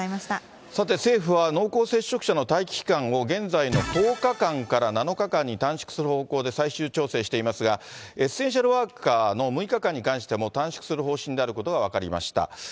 さて政府は、濃厚接触者の待機期間を現在の１０日間から７日間に短縮する方向で最終調整していますが、エッセンシャルワーカーの６日間に関しても、短縮する方針であることが分かりました。